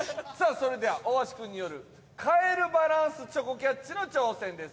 それでは大橋くんによるカエルバランスチョコキャッチの挑戦です。